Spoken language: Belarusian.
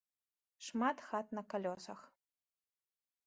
Шмат хат на калёсах.